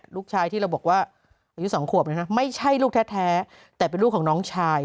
ที่เราบอกว่าอายุ๒ขวบนะฮะไม่ใช่ลูกแท้แต่เป็นลูกของน้องชาย